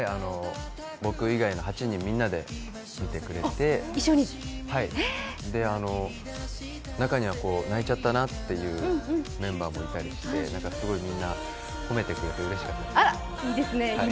僕以外の８人みんなで見てくれて、中には泣いちゃったなというメンバーもいたりして、すごいみんな褒めてくれてうれしかったです。